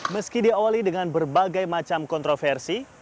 meski diawali dengan berbagai macam kontroversi